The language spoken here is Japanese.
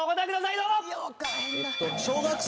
どうぞ！